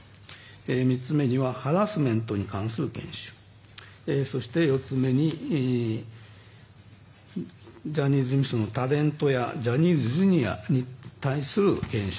３つ目にはハラスメントに関する研修そして４つ目にジャニーズ事務所のタレントやジャニーズＪｒ．に対する研修